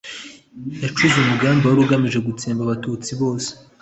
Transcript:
yacuze umugambi wari ugamije gutsemba Abatutsi bose